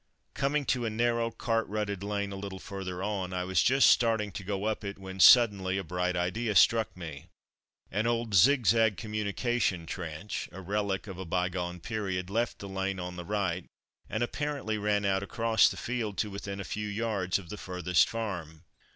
Coming to a narrow, cart rutted lane a little further on, I was just starting to go up it when, suddenly, a bright idea struck me. An old zig zag communication trench (a relic of a bygone period) left the lane on the right, and apparently ran out across the field to within a few yards of the furthest farm.